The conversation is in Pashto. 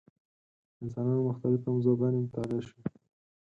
د انسانانو مختلفې موضوع ګانې مطالعه شوې.